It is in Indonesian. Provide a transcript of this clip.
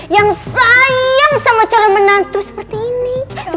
yang sayang sama calon menantu seperti ini